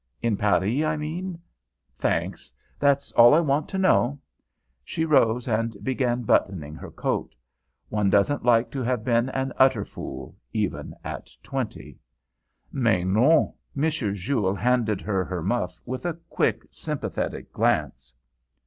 In Paris, I mean? Thanks. That's all I want to know." She rose and began buttoning her coat. "One doesn't like to have been an utter fool, even at twenty." "Mais, non!" M. Jules handed her her muff with a quick, sympathetic glance.